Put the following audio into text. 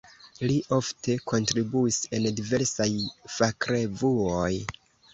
Li ofte kontribuis en diversaj fakrevuoj.